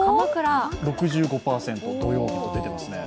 ６５％と出ていますね。